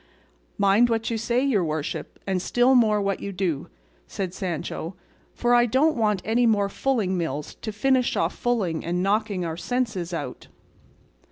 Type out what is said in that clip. "Mind what you say, your worship, and still more what you do," said Sancho, "for I don't want any more fulling mills to finish off fulling and knocking our senses out."